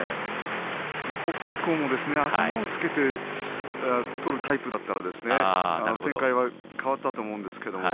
琴恵光も頭をつけて取るタイプだったら展開は変わっていたと思います。